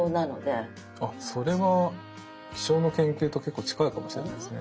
あっそれは気象の研究と結構近いかもしれないですね。